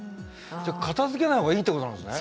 じゃあ片づけない方がいいってことなんですね？